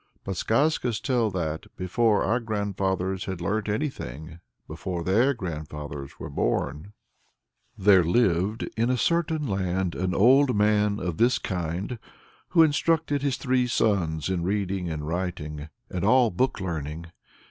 But skazkas tell that, before our grandfathers had learnt anything, before their grandfathers were born_ There lived in a certain land an old man of this kind who instructed his three sons in reading and writing and all book learning.